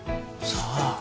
さあ？